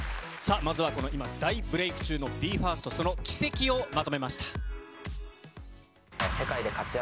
まずは今、大ブレイク中のＢＥ：ＦＩＲＳＴ、その軌跡をまとめました。